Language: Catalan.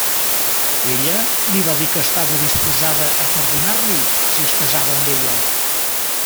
Ella li va dir que estava disposada a perdonar-li si es casava amb ella.